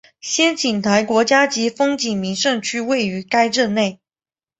仙景台国家级风景名胜区位于该镇内。